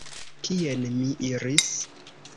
Kien mi iris?